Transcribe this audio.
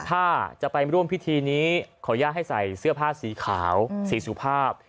ถ้าจะไปร่วมพิธีนี้ขออนุญาตให้ใส่เสื้อผ้าสีขาวสีสุภาพ